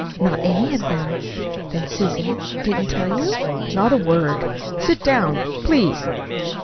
"Not any of them. Then Susan didn't tell you?" "Not a word. Sit down, please."